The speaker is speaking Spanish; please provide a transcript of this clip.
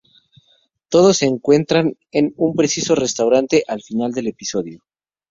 Todos se encuentran en un precioso restaurante al final del episodio.